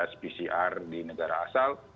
spcr di negara asal